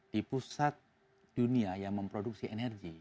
di pusat dunia yang memproduksi energi